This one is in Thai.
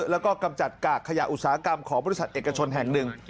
แล้วก็กำจัดกากขยะอุตสาหกรรมของบริษัทเอกชนแห่งหนึ่ง